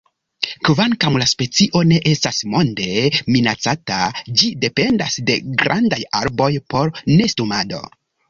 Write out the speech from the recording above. Kvankam la specio ne estas monde minacata, ĝi dependas de grandaj arboj por nestumado.